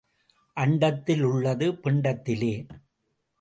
அண்டத்தில் உள்ளது பிண்டத்திலே.